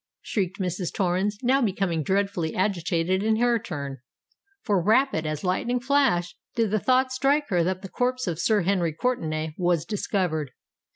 shrieked Mrs. Torrens, now becoming dreadfully agitated in her turn—for, rapid as lightning flash, did the thought strike her that the corpse of Sir Henry Courtenay was discovered.